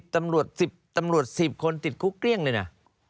๑๐ตำรวจ๑๐คนติดกุ้งเกลี้ยงเลยนะ